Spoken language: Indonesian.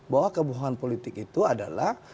bahwa kebohongan politik itu adalah